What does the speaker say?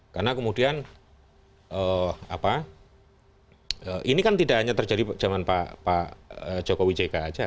karena kemudian ini kan tidak hanya terjadi zaman pak jokowi jk saja